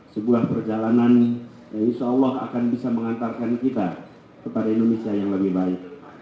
sebuah perjalanan yang insya allah akan bisa mengantarkan kita kepada indonesia yang lebih baik